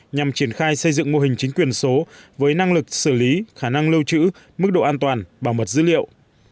nhằm triển khai xây dựng mô hình chính quyền số với năng lực xử lý khả năng lưu trữ mức độ an toàn bảo mật dữ liệu